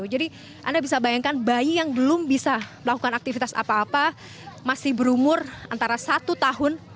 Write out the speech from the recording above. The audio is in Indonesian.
jadi anda bisa bayangkan bayi yang belum bisa melakukan aktivitas apa apa masih berumur antara satu tahun